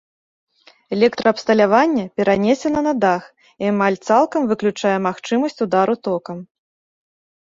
Электраабсталяванне перанесена на дах і амаль цалкам выключае магчымасць удару токам.